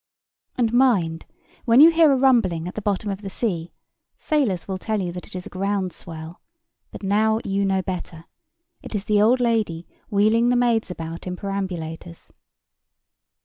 And mind—when you hear a rumbling at the bottom of the sea, sailors will tell you that it is a ground swell: but now you know better. It is the old lady wheeling the maids about in perambulators.